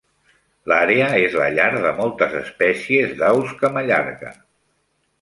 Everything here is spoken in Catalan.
L'àrea és la llar de moltes espècies d'aus camallarga.